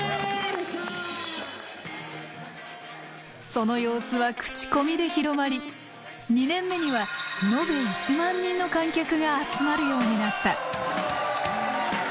その様子は口コミで広まり２年目には延べ１万人の観客が集まるようになった。